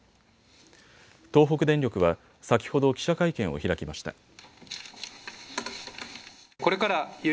東北電力は先ほど記者会見を開きました。